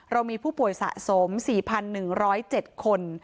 เรามีผู้ป่วยสะสม๔๑๐๗คน